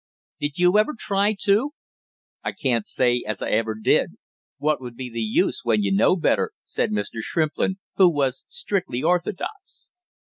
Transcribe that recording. "Did you ever try to?" "I can't say as I ever did. What would be the use when you know better?" said Mr. Shrimplin, who was strictly orthodox.